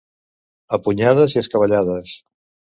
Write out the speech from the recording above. A punyades i escabellades.